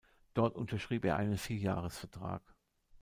Dort unterschrieb er einen Vierjahresvertrag.